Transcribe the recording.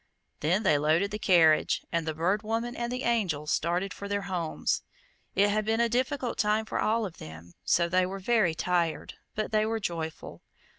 Then they loaded the carriage, and the Bird Woman and the Angel started for their homes. It had been a difficult time for all of them, so they were very tired, but they were joyful.